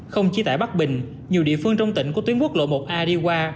không chỉ tại bắc bình nhiều địa phương trong tỉnh của tuyến quốc lộ một a đi qua